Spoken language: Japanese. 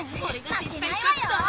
負けないわよ！